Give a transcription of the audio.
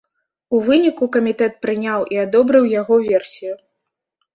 У выніку камітэт прыняў і адобрыў яго версію.